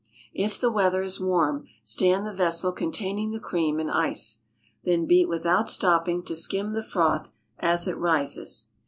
If the weather is warm stand the vessel containing the cream in ice; then beat without stopping to skim the froth as it rises.